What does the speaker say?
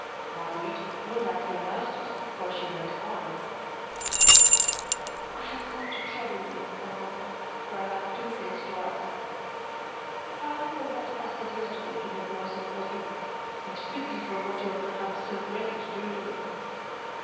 Marguerite no doubt realized it, for she went on: "I have come to trouble you, Armand, for I have two things to ask: pardon for what I said yesterday to Mlle. Olympe, and pity for what you are perhaps still ready to do to me.